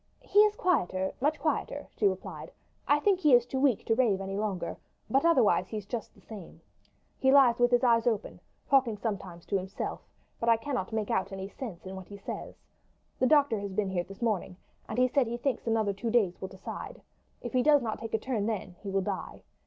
"He is quieter, much quieter," she replied. "I think he is too weak to rave any longer; but otherwise he's just the same. He lies with his eyes open, talking sometimes to himself, but I cannot make out any sense in what he says. The doctor has been here this morning, and he says that he thinks another two days will decide. If he does not take a turn then he will die.